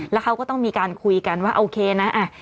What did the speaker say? แล้วเขาก็ต้องมีการคุยกันว่าเมื่อไหร่